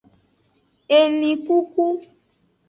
Elinkuku.